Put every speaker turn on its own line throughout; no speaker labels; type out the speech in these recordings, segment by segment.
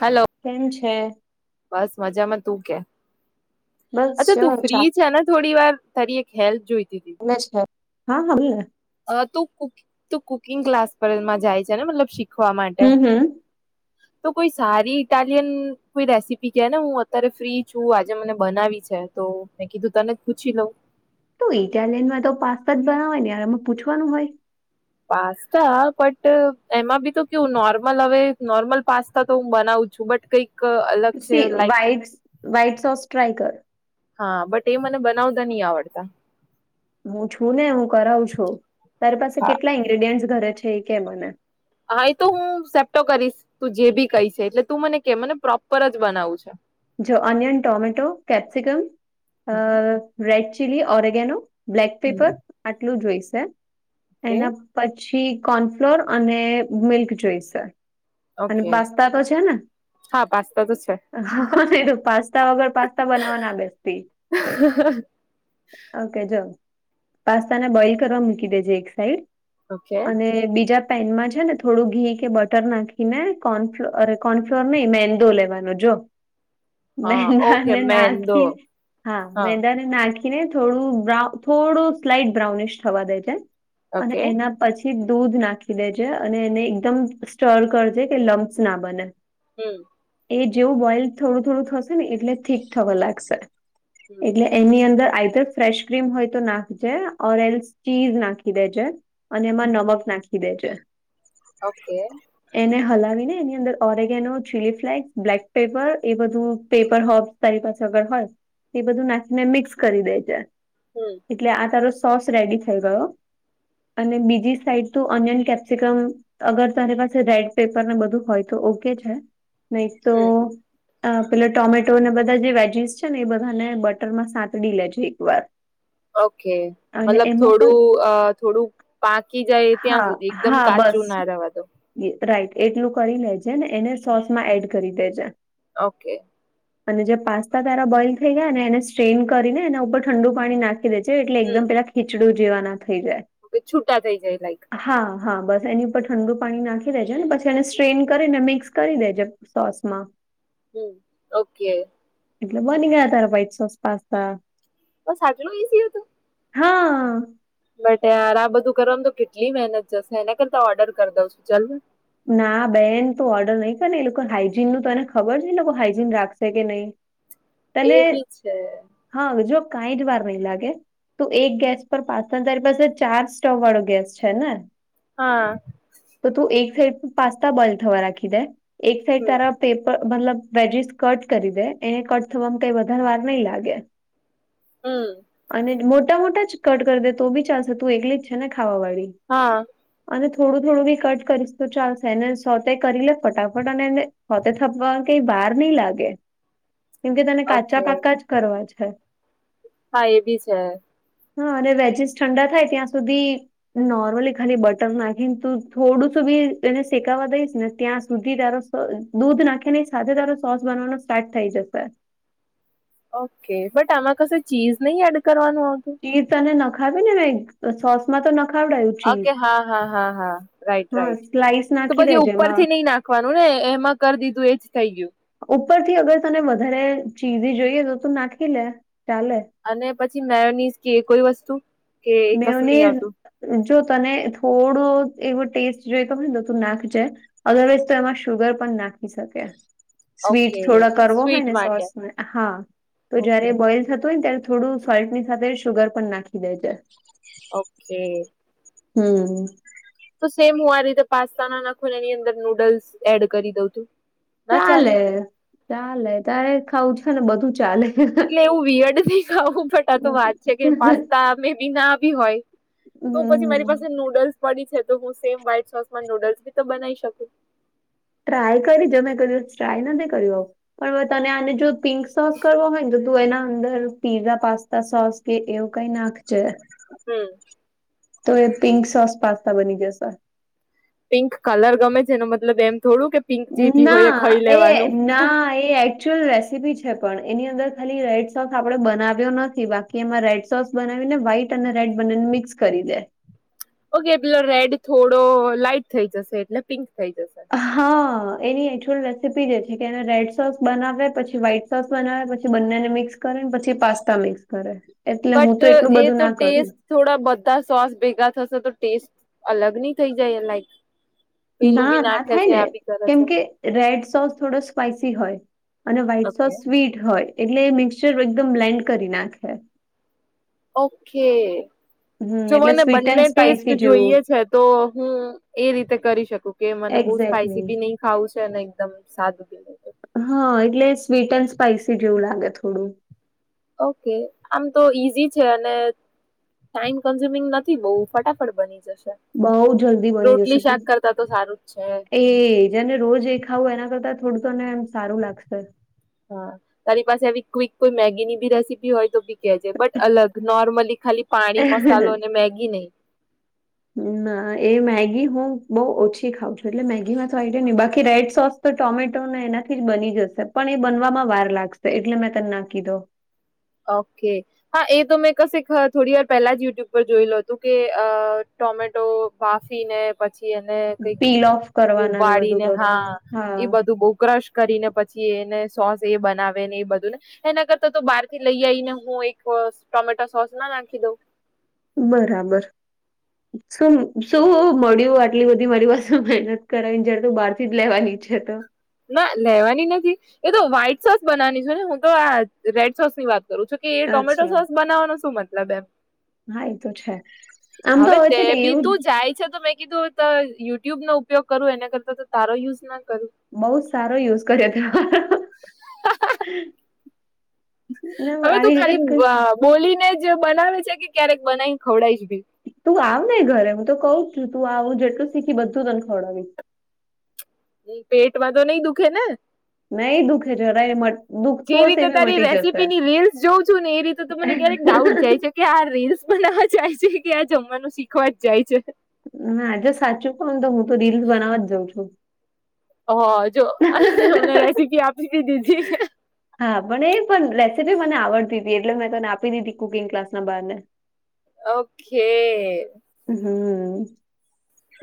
Hello.
કેમ છે?
બસ મજામાં તું કે
બસ
અચ્છા
જો
તું ફ્રી છે ને થોડી વાર તારી એક હેલ્પ જોઈતી તી.
હા-હા બોલ ને.
અ તું કુકીંગ તું કુકિંગ ક્લાસ પરમાં જાય છે ને મતલબ શીખવા માટે.
હમ હમ
[inaudible] તો કોઈ સારી ઇટાલિયન કોઈ રેસીપી કે ને હું અત્યારે ફ્રી છું આજે મને બનાવી છે તો મે કીધું તને જ પૂછી લઉં.
હું ઈટાલિયનમાં તો પાસ્તા જ બનાવાય ને યાર એમાં પૂછવાનું હોય.
પાસ્તા બટ એમાં બી તો કેવું નોર્મલ હવે નોર્મલ પાસ્તા તો હું બનાવું છું બટ કઈક ક અલગ છે
C
like
white white sauce try કર.
હા બટ એ મને બનાવતા ન‌ઈ આવડતા.
હું છું ને હું કરાવું છું. તારી
હા
પાસે કેટલા ઇન્ગ્રીડિયન્ટસ ઘરે છે એ કે મને.
હા એ તો હું જેપ્ટો કરીશ તું જે ભી કઈસ એટલે તું મને કે મને પ્રોપર જ બનાવું છે.
જો અનિયન, ટોમેટો, કેપ્સિકમ અ red chilli oregano black pepper આટલું જોઈશે
છે.
એના પછી કોર્નફ્લોર અને મિલ્ક જોઈશે.
ઓકે
અને
ઓકે
પાસ્તા તો છે ને
હા પાસ્તા તો છે.
હા. તે તૂ પાસ્તા વગર પાસ્તા બનાવવા ના બેસતી. ઓ કે જો પાસ્તા ને બોઇલ કરવા મૂકી દેજે એક સાઈડ
ઓકે
અને બીજા પેનમાં છે ને થોડું ઘી કે બટર નાખીને કોનફ્ કોર્નફ્લોર ન‌ઈ મેંદો લેવાનો જો
હા ઓકે
મેંદાને
મેંદો
નાખી હા મેંદા ને નાખી નાખીને થોડું બ્રાઉ થોડું સ્લાઈટ બ્રાઉનિશ થવા દે જે અને
ઓકે
એના પછી દૂધ નાખી દેજે અને એને એકદમ સ્ટર કરજે કે લમ્સ ના બને.
હમ્મ.
એ જેવું બોઈલ થોડું-થોડું થશે ને એટલે થીક થવા લાગશે
હમ
એટલે એની અંદર આઇધર ફ્રેશ ક્રીમ હોય તો નાખજે ઓર એલ્ ચીઝ નાખી દેજે. અને એમાં નમક નાખી દે જે.
ઓકે.
એને હલાવીને એની અંદર oregano, chilli flakes, black pepper એ બધું પેપર હોપ્સ તારી પાસે અગર હોય એ બધું નાખીને મિક્સ કરી દે જે.
હમ્મ.
એટલે આ તારો સોસ રેડી થઈ ગયો અને બીજી સાઈડ તું ઓનિયન, કેપ્સિકમ અગર તારી પાસે રેડ પેપર ને બધું હોય તો ઓ કે છે ન‌ઈ તો
હમ
અ પેલા ટોમેટોને બધા જે વેજીસ છે ને એ બધાને બટર માં સાતડી લેજે એકવાર.
ઓકે. મતલબ
પણ
થોડું અ થોડુંક પાકી જાય
હા
ત્યાં સુધી એકદમ
હા બસ
કાચું ના રેવા દઉ.
રાઈટ એટલું કરી લેજે ને એને સોર્સ માં એડ કરી દેજે...
ઓ કે.
અને જે પાસ્તા તારા બોઇલ થઈ ગયા ને એને સ્ટ્રેન કરીને એના ઉપર ઠંડુ પાણી નાખ. દેજે એટલે એકદમ પેલા ખીચડું જેવા ના થઈ જાય...
ઓ કે છૂટા થઈ જાય લાઈક...
હા હા બસ એની ઉપર ઠંડુ પાણી નાખી દેજે ને પછી એને સ્ટ્રેન કરીને મિક્સ કરી દેજે... સોસમાં...
હમ ઓ કે...
એટલે બની ગયા તારા વ્હાઇટ સોસ પાસ્તા...
બસ આટલું ઈઝી હતું.
હા...
બટ યાર આ બધું કરવાનું તો કેટલી મહેનત જશે એના કરતા ઓર્ડર કરી દઉ છું ચાલ...
ના બેન તું ઓર્ડર ન‌ઈ કર ની એ લોકો હાઈજીનનુ તને એને ખબર છે એ લોકો હાઈજીન રાખશે કે ન‌ઈ....
એ
તને
બી છે
હા જો કાઈ જ વાર ન‌ઈ લાગે... તો એક ગેસ પર [unintelligible] તારી પાસે ચાર સ્ટવ વાળો ગેસ છે ને?
હા.
તો તું એક સાઈડ પાસ્તા બોઈલ થવા રાખી દે એક સાઈડ
હમ
તારા... પેપર મતલબ વેજીસ કટ કરી દે એને કટ થવામાં કઈ વધારે વાર નહી લાગે...
હમ
અને મોટા મોટા જ... કટ કરી દે તો બી ચાલશે. તું એકલી જ છે ને ખાવા વાળી?
હા.
અને થોડું થોડું બી કટ કરીશ તો ચાલશે ને સોતે કરી લે. ફટાફટ અને એને ફતે થપવા કઈ ભાર નહી લાગે. કેમકે તને
ઓકે
કાચા પાક્કા જ કરવા છે.
હા એ બી છે.
હા અને વેજીસ ઠંડા થાય ત્યાં સુધી... નોર્મલી ખાલી બટર નાખી તું થોડું સું બી... એને શેકાવા દઈશ ને ત્યાં સુધી તારો દૂધ નાખી ને સાથે તારો સોસ બનવાનો સ્ટાર્ટ થઈ જશે.
ઓકે. બટ આમાં કસે ચીઝ નહી એડ કરવાનું આવતું?
ચીઝ તને નખાવી ને સોસ માં તો નખાવડાયું.
ઓકે
ચીઝ
હા હા હા હા રાઈટ
હા
રાઈટ
સ્લાઈસ
તો
નાખી
પછી
દેજે એમાં
ઉપરથી નહી નાખ... નાખવાનું ને એમાં કરી દીધું એજ થઈ ગયું.
ઉપરથી અગર તને વધારે ચીઝી જોઈએ તો તું નાખી લે ચાલે.
અને પછી મેંયોનિશ કે કોઈ વસ્તુ... કે એ કશું નહી
મેઓનીઝ....
આવતું
જો તને થોડો એવો ટેસ્ટ જોઈતો હોય ને તો તું નાખજે... અધરવાઈઝ તું એમાં શુગર પણ નાખી શકે. સ્વીટ
ઓકે
થોડા કરવો હોય
સ્વીટ
ને
માટે
સોસ હા તો
ઓકે
જયારે બોઈલ થતો હોયને ત્યારે... થોડું સોલ્ટ ની સાથે શુગર પણ નાખી દે જે.
કે...
હમ.
તો સેમ હું આ રીતે પાસ્તા ના નાખોની અંદર નૂડલ્સ એડ કરી દઉં તો?
ચાલે ચાલે તારે ખાવું છે ને બધું ચાલે.
એટલે એવું વિયડ ન ખાવું બટા તો વાત છે કે પાસ્તા મે બી ના બી હોય... તો પછી મારી પાસે
ટ્રાય
નૂડલ્સ પડી છે તો હું સેમ વ્હાઈટ સોસમાં નૂડલ્સ બી તો બનાવી શકું.
ટ્રાય કરી જો મેં કોઈ દિવસ ટ્રાય નથી કર્યું આવું પણ તને આને જો પિંક સોસ કરવો હોય તો તું એના અંદર પીઝા પાસ્તા સોસ કે એવું કઈ નાખજે
હમ્મ.
તો એ પિંક સોસ પાસ્તા બની જશે.
પિંક કલર ગમે છે એનો મતલબ એમ થોડું કે પિંક જે ભી હોય એ
ના
ખાઈ
એ
લેવાનું
ના એ એકચુઅલ રેસીપી છે પણ એની અંદર ખાલી રેડ સોસ આપડે બનાવ્યો નથી બા કી એમાં રેડ સોસ બનાવીને વ્હાઈટ અને રેડ બંનેને મિક્સ કરી દે.
ઓકે પેલો રેડ થોડો લાઈટ થઈ જશે એટલે પિંક થઈ જશે.
હા એની એચુઅલ રેસીપી જ એ છે કે એને રેડ સોસ બનાવે પછી વ્હાઈટ સોસ બનાવે પછી બંનેને મિક્સ કરે ને પછી પાસ્તા મિક્સ કરે. એટલે હું
બટ
તો એટલું
એ
બધું
તો
ના કરું.
ટેસ્ટ થોડા બધા સોસ ભેગા થશે તો ટેસ્ટ અલગની થઈ જાય લાઈક પેલું
ના
બી
ના
નાખે
થાય
છે
ને
આ બી કરે
કેમ
છે
કે રેડ સોસ થોડો સ્પાઈસી હોય અને white
okay.
Sauce sweet હોય એટલે મિક્સચર એકદમ બ્લેન્ડ કરી નાખે.
ઓકે,
હમ
જો
એટલે
મને
સ્વીટ
બંને
એન્ડ
ટેસ્ટ
સ્પાઈસી જેવું
જોઈએ છે તો હું એ રીતે કરી શકું કે મને બઉ સ્પાઈસી બી
એક્ઝેક્ટલી
નહી ખાવું છે અને એકદમ સાદું બી ન [unintelligible]
હા, એટલે સ્વીટ એન્ડ સ્પાઈસી જેવું લાગે થોડું
ઓકે, આમ તો ઈઝી છે અને ટાઈમ કન્ઝ્યુમિંગ નથી બોવ ફટાફટ બની જશે.
બહુ જલ્દી બની જશે
રોટલી શાક
તું
કરતા તો સારું જ છે.
એ જેને રોજ એ ખાવું એના કરતા થોડું તને એમ સારું લાગશે.
હા તારી પાસે આવી ક્વિક કોઈ મેગીની બી રેસીપી હોય તો બી કેજે બટ અલગ નોર્મલી ખાલી પાણી, મસાલો ને મેગી નય
ના એ મેગી હું બઉ ઓછી ખાઉં છું. એટલે મેગીમાં તો આઇડિયા નહી બાકી રેડ સોસ તો ટોમેટોને એનાથી જ બની જશે. પણ એ બનવામાં વાર લાગશે એટલે મેં તન ના કીધું.
ઓકે હા એ તો, મેં કશેક થોડીવાર પહેલા જ યુટ્યુબ જોયલ હતું કે અ ટોમેટો બાફીને પછી એને કંઈક
પીલ ઓફ કરવાના ને બધું
ઉબાડીને
કરવાનું
હા એ
હા
બધું બોવ ક્રશ કરીને પછી, એને સોસ એ બનાવે. ને એ બધુંને એના કરતા તો બાર થી લઈ આયને હું એક ટોમેટો સોસ ના નાખી દઉં!
બરાબર.
[inaudible]
શું શું મળ્યું આટલી બધી મારી પાસે મહેનત કરાય જયારે તું બહારથી જ લેવાની છે તો,
ના લેવાની નથી એ તો વ્હાઈટ સોસ બનાવાની છે. ને હું તો આ રેડ સોસની વાત કરું છું. કે એ ટોમેટો
અચ્છા
સોસ બનાવવાનો શું મતલબ એમ?
હા એ તો છે આમ તો
હવે તે
છે ને
બી
એવું
તું જાય છે, તો મેં કીધું તો યુટ્યુબનો ઉપયોગ કરું એના કરતા તો તારો યુઝ ના કરું?
બોવ સારો યુઝ કર્યો તે [unintelligible] ના
હવે તું
આવી રીતે
ખાલી
ક-
બા બોલીને જ બનાવે છે. કે ક્યારેક બનાવી ખવડાઈશ ભી?
તું આવને ઘરે હું તો કઉ છું. તું આવું જેટલું શીખી બધું તને ખવડાવિહ
પેટમાં તો નહી દુખે ને?
નહી દુખે જરાય મટ-
જે
દુખતું હશે
રીતે
એ બી
તારી
મટી જશે
રેસિપીની રીલ્સ જોઉં છું, ને એ રીત તો ત મને ક્યારેક ડાઉટ જાય છે કે, આ રીલ્સ બનાવવા જાય છે કે આ જમવાનું શીખવા જ જાય છે.
ના જો સાચું કોવને તો હું રીલ બનાવવા જ જાઉં છું.
હ જો [unintelligible] રેસીપી આપી દીધી છે.
હા પણ એ પણ રેસીપી મને આવડતી તી એટલે મેં તને આપી દીધી કુકિંગ ક્લાસ ના બાને
ઓકે
હમ્મ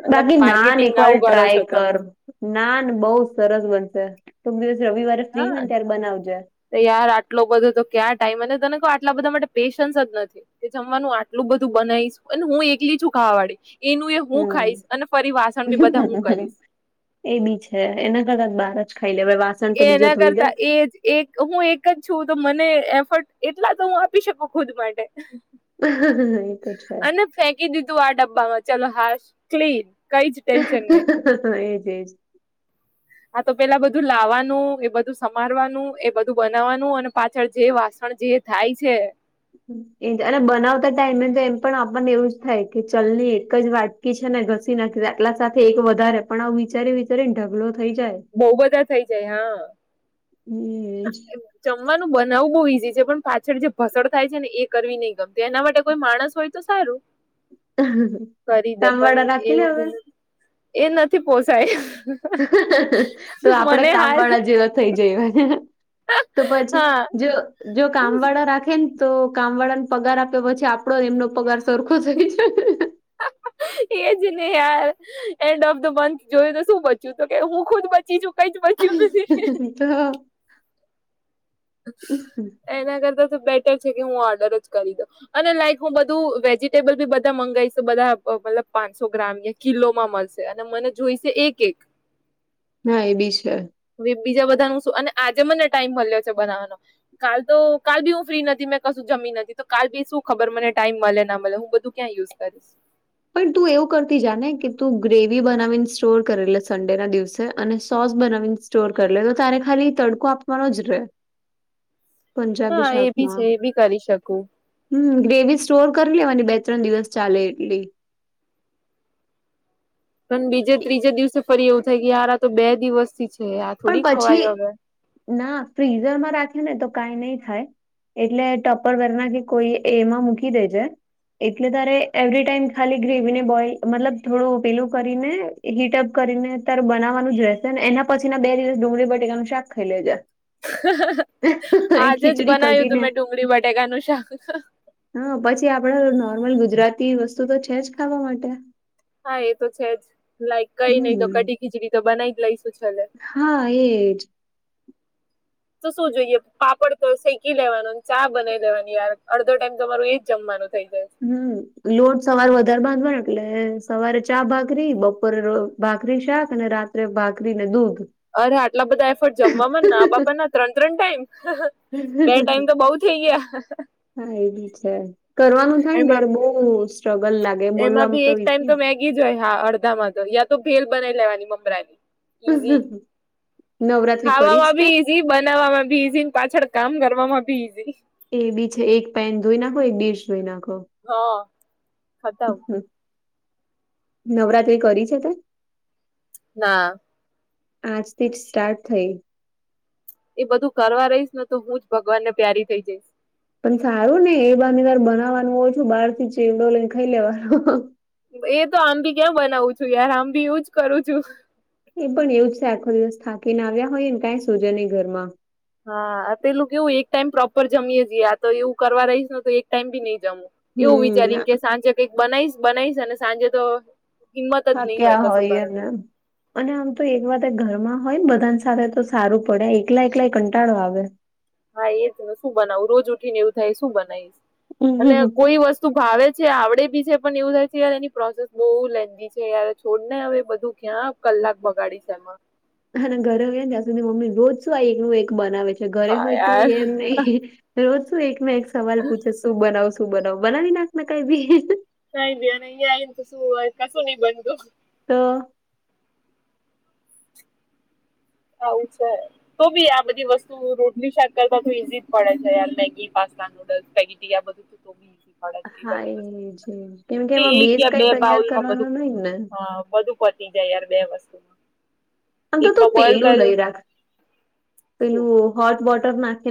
મતલબ
બાકી નાંન
માર્કેટિંગ
એક વાર
આવું કરો
ટ્રાય
છો
કર
તમે.
નાન બઉ સરસ બનશે. કોક દિવસ રવિવારે ફ્રી
હા
હોય ને ત્યારે બનાવજે
યાર આટલો બધો તો ક્યાં ટાઈમ અને તને આટલા બધા માટે પેશન્સ જ નથી તે જમવાનું આટલું બધું બનાઇશ. અને હું એકલી છું ખાવાવાળી એનું એ હું
હમ
ખાઈશ અને ફરી વાસણ બી બધા હું કરીશ.
એબી છે. એને કરતાં બાર જ ખાઈ લેવા
એના કરતાં એ જ એક હું એક જ છું તો મને એફર્ટ એટલા તો હું આપી શકું ખુદ માટે
એ તો છે
અને ફેંકી દીધું આ ડબ્બામાં ચલો હાસ ક્લીન કઈ જ ટેન્શન નહી
હમ્મ એજ-એજ
હા તો પેલા બધું લાવાનું, એ બધું સમારવાનું, એ બધું બનાવવાનું, અને પાછળ જે વાસણ જે, થાય છે.
જ્યારે બનાવતા ટાઈમે તો એમ પણ આપણને એવું થાય કે ચલને એક જ વાર કી છે ને ઘસી નાખી એટલા સાથે એક વધારે પણ આવું વિચારી વિચારીને ઢગલો થઈ જાય.
બોવ બધા થઈ જાય હા
હમ
જમવાનું બનાવવું બોવ ઈઝી છે. પણ પાછળ જે ભસણ થાય છે ને, એ કરવી નઈ ગમતી એના માટે કોઈ માણસ હોય તો સારું કરી દે પન
સાંભળા રાખી લે હવે
એવું એ નથી પોસાય
તો આપડે
મને
કામ
હાલ
વાળા જેવા થઈ જવાય તો પછી,
હા
જો જો કામ વાળા રાખે ને તો કામ વાળાને પગાર આપે પછી આપડો એમનો પગાર સરખો થઈ જાય.
હમ્મ એજ ને યાર એન્ડ ઓફ ધ મંથ જોયું તો શું બચ્યું તો કે હું ખુદ બચી છું, કઈ જ બચ્યું નથી
હમ્મ
એના કરતા તો બેટર છે, કે હું ઓર્ડર જ કરી દઉ, અને લાઈફમાં બધું વેજીટેબલ બી બધા મંગાયશું બધા મતલબ પાંચસો ગ્રામ- કિલોમાં મળશે અને મને જોઈશે એક એક.
હા એ બી છે.
બીજા બધા નું શું અને આજે મને ટાઈમ મળ્યો છે. બનાવવાનો કાલ તો કાલ બી હું ફ્રી નથી મેં કશું જમી નથી, તો કાલ બી શું ખબર મને ટાઈમ મલે ના મલે હું બધું ક્યાં યુઝ કરીશ?
પણ તું એવું કરતી જા ને કે તું ગ્રેવી બનાવીને સ્ટોર કર સન્ડે ના દિવસે અને સોસ બનાવીને સ્ટોર કરી લે તો તારે ખાલી તડકો આપવાનો જ રે પંજાબી
હા, એ બી છે. એ બી કરી શકું
હમ્મ ગ્રેવી સ્ટોર કરી લેવાની બે ત્રણ દિવસ ચાલે એટલી,
પણ બીજે ત્રીજે દિવસે ફરી એવું થાય કે યાર આ તો બે દિવસ થી છે, આ
પણ
થોડી
પછી
ખવાઈ હવે!
ના ફ્રીઝરમાં રાખેને તો કાઈ નહી, થાય એટલે ટોપર વેરના કે કોઈ એમાં મૂકી દેજે એટલે તારે એવરી ટાઈમ ખાલી ગ્રેવી ને બોઈલ મતલબ થોડું પેલું કરીને, હીટપ કરીને તાર બનાવવાનું જ રહેશે ને એના પછ ના બે દિવસ ડુંગળી બટેકાનું શાક ખાઈ લેજે,
આજે જ
ખીચડી
બનાવ્યું તું
કઢીને
મેં ડુંગળી બટેકાનું શાક
હ, પછી આપડે નોર્મલ ગુજરાતી વસ્તુ તો છે જ ખાવા માટે.
હા એ તો છે. જ લાઈક કઈ નઈ તો
હમ્મ
કટી ખીચડી તો બનાઈ જ લઈશું છેલ્લે.
હા, એ જ.
[inaudible] તો શું જોઈએ પાપડ તો શેકી લેવાનો ચા બનાવી લેવાની યાર અડધો ટાઈમ તમારું એજ જમવાનું થઈ જાય છે.
હમ, લોટ સવારે વધારે બાંધવાનો એટલે સવારે ચા ભાગરી બપોરે ભાખરી શાક અને રાત્રે ભાખરીને દૂધ.
અરે આટલા બધા એફર્ટ જમવામાં ના બાપા
હા
ના ત્રણ ત્રણ ટાઇમ બે ટાઈમ તો બઉ થઇ ગયા,
હા, એવું છે કરવાનું થાય ને
એમાં
તયાર બહ સ્ટ્રગલ લાગે બોલવાવામાં તો વિ
ઈજ હોય હા અડધામાં તો યાતો ભેલ બનાઈ લેવાની મમરાની ઇઝી,
નવરાત્રી
ખાવા
કરી જ તે
હવાભી ઇ ઈ બનાવવામાં ભી ઈઝી પાછળ કામ કરવામાં ભી ઈઝી,
એ બી છે એક પેન ધોઈ નાખો એક ડીશ ધોઈ નાખો.
હા ખતમ
નવરાત્રી કરી છે તે?
ના.
આજથી સ્ટાર્ટ થઈ.
એ બધું કરવા રહીશ ને તો હું જ ભગવાનને પ્યારી થઇ જઈશ,
પણ સારું ને એ બાનીવાર બનાવાનું ઓછું બહાર થી ચેવડો લઈને ખાઈ લેવાનો!
એ તો આંબી ક્યાં બનાવું છું, યાર આંબી કરું છું.
એ પણ એવું જ છે આખો દિવસ થાકીને આવ્યા હોય ને કંઈ સોજા નહી ઘરમાં
હા, પેલું કેવું એક ટાઈમ પ્રોપર જમીએે જીએ આતો એવું કરવા રહીશ તો એક ટાઈમબી નઈ જમવું, એવું
હમ
વિચારીને કે સાંજે કઈક બનાઈશ બનાઈશ અને સાંજે તો હિંમત જ નહીં હોય
થાક્યા
કસું
અને
કરવાની,
અને આમ તો એક વાતે ઘરમાં હોય બધાને સાથે તો સારું પડે એકલા એકલાય કંટાળો આવે.
હા, એ શું બનાવું રોજ ઉઠી ને એવું થાય શું? બનાવીશ અને
હમ.
કોઈ વસ્તુ તું ભાવે છે આવડેબી છે પણ એવું થાય છે. યાર એની પ્રોસેસ બહુ લેન્ધી છેય છોડને હવે બધું ક્યાં, કલાક બગાડીશ એમાં
અને ઘરે હોયને ત્યાં સુધી મમ્મી રોજ શું આ એકનું એક બનાવે છે. ઘરે
હા
હોય તો
યાર
એમ નઈ દરોજ શું એકને એક સવાલ પૂછે શું બનાવ શું બનાવ બનાવી નાખને કઈભી.
કઈબી અહીંયા આવીને તો શું કશું નઈ બનતું.
તો,
આવું છે. તોબી આ બધી વસ્તુ રોટલી શાક કરતાતો ઈઝીજ પડે છે મેગી પાસ્તા, નુડલ્સ પેગી ધીયાં [inaudible] અડદ
હા
એવા
એજ એજ કેમ કે
દિવસકે
એમાં
[inaudible] એક
બેઝ
યા બે
કઈ તૈયાર
બાઉલ માં
કરવાનો
બધું
નહી ને
હ બધું પતી જાય યાર બે વસ્તુ
અન તો તું પેલું લઈ રાખ
શું
પેલું હોટવોટર નાખે